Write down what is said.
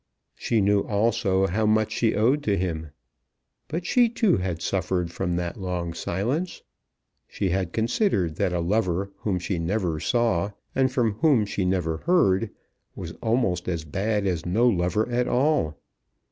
She knew also how much she owed to him. But she too had suffered from that long silence. She had considered that a lover whom she never saw, and from whom she never heard, was almost as bad as no lover at all.